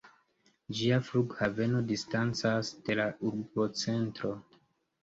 Ĝia flughaveno distancas de la urbocentro.